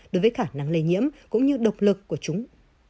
đối với khả năng lây nhiễm cũng như độc lực của chúng